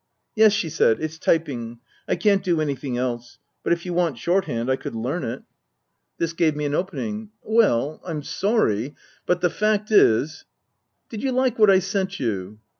" Yes," she said, "it's typing. I can't do anything else. But if you want shorthand, I could learn it." 14 Tasker Jevons This gave me an opening. " Well I'm sorry but the fact is "" Did you like what I sent you